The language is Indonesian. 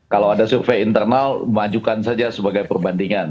kalau ada survei internal majukan saja sebagai perbandingan